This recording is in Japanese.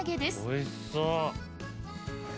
おいしそう。